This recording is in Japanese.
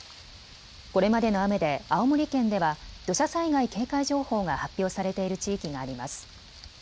これまでの雨で青森県では土砂災害警戒情報が発表されている地域があります。